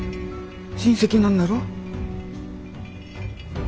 親戚なんだろ？